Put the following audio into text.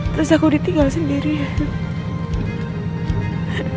terus aku ditinggal sendirian